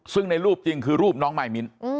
ซึ่งในรูปจริงคือรูปน้องมายมิ้น